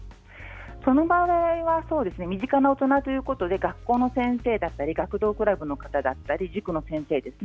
その場合は身近な大人ということで学校の先生、学童クラブの方塾の先生ですね。